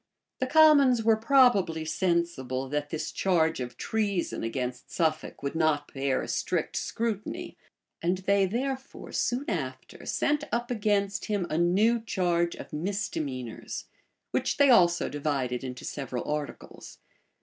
* Cotton, p.643. The commons were probably sensible, that this charge of treason against Suffolk would not bear a strict scrutiny; and they therefore, soon after, sent up against him a new charge of misdemeanors, which they also divided into several articles.